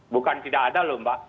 bukan tidak ada lomba